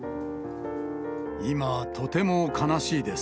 今、とても悲しいです。